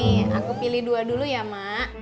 nih aku pilih dua dulu ya mak